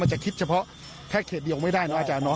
จะคิดเฉพาะแค่เขตเดียวไม่ได้นะอาจารย์